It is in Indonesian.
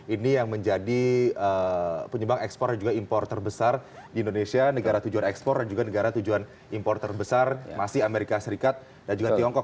ini yang menjadi penyebab ekspor dan juga impor terbesar di indonesia negara tujuan ekspor dan juga negara tujuan impor terbesar masih amerika serikat dan juga tiongkok